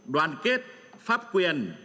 đoàn kết pháp quyền